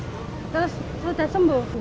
terus sudah sembuh